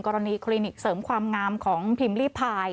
คลินิกเสริมความงามของพิมพ์ลี่พาย